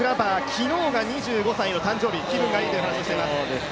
昨日が２５歳の誕生日、気分がいいと言っています。